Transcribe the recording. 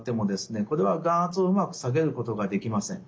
これは眼圧をうまく下げることができません。